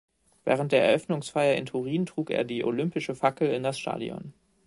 Während der Eröffnungsfeier in Turin trug er die olympische Fackel in das Stadion.